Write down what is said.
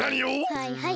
はいはい。